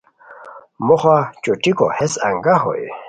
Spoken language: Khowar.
موخہ چوٹیکو ہیس انگہ ہوئے